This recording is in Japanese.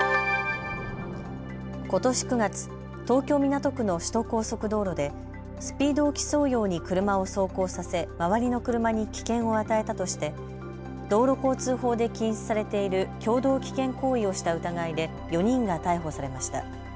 ことし９月、東京港区の首都高速道路でスピードを競うように車を走行させ、周りの車に危険を与えたとして道路交通法で禁止されている共同危険行為をした疑いで４人が逮捕されました。